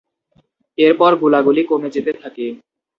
এরপর গোলাগুলি কমে যেতে থাকে।